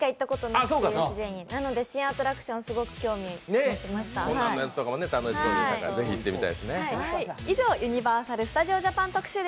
なので新アトラクション、すごく興味持ちました。